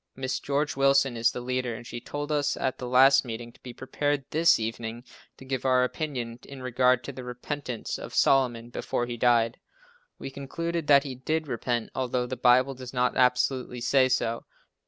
Mrs. George Willson is the leader and she told us at the last meeting to be prepared this evening to give our opinion in regard to the repentance of Solomon before he died. We concluded that he did repent although the Bible does not absolutely say so.